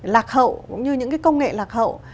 lạc hậu cũng như những cái công nghệ lạc hậu